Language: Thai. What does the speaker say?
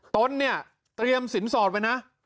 ตนเนี่ยเตรียมสินสอดไว้นะ